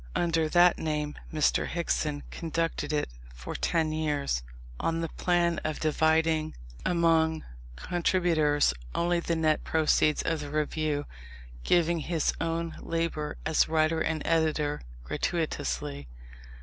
Under that name Mr. Hickson conducted it for ten years, on the plan of dividing among contributors only the net proceeds of the Review giving his own labour as writer and editor gratuitously.